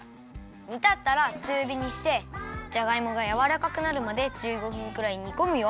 にたったらちゅうびにしてじゃがいもがやわらかくなるまで１５分くらいにこむよ。